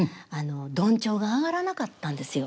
どんちょうが上がらなかったんですよ。